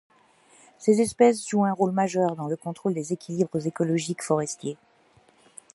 Ces espèces jouent un rôle majeur dans le contrôle des équilibres écologiques forestiers.